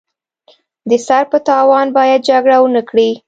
د سر په تاوان باید جګړه ونکړي.